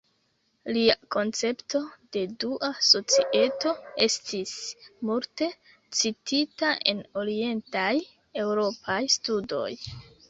Lia koncepto de dua societo estis multe citita en Orientaj Eŭropaj Studoj.